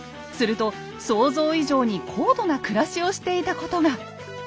すると想像以上に高度な暮らしをしていたことが。